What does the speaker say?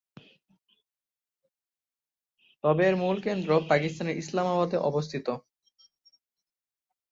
তবে এর মূল কেন্দ্র পাকিস্তানের ইসলামাবাদে অবস্থিত।